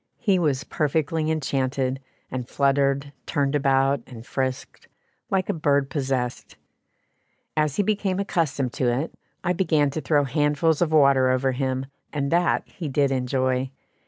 He was perfectly enchanted, and fluttered, turned about, and frisked, like a bird possessed. As he became accustomed to it, I began to throw handfuls of water over him, and that he did enjoy.